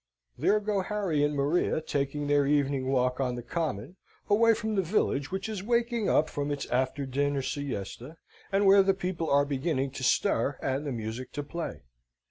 There go Harry and Maria taking their evening walk on the common, away from the village which is waking up from its after dinner siesta, and where the people are beginning to stir and the music to play.